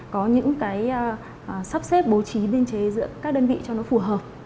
có những cái sắp xếp bố trí biên chế giữa các đơn vị cho nó phù hợp